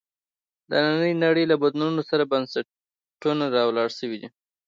د نننۍ نړۍ له بدلونونو سره بنسټونه راولاړ شوي دي.